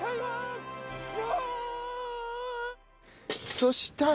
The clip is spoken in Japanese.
そしたら。